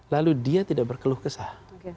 lalu dia tidak berkeluh kesah